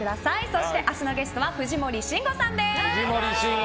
そして、明日のゲストは藤森慎吾さんです。